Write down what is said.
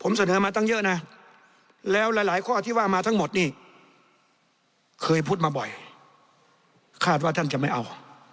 มาทั้งหมดนี่เคยพูดมาบ่อยคาดว่าท่านจะไม่เอา